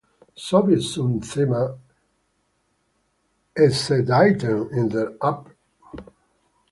Soviel zum Thema "Echtzeitdaten" in der App.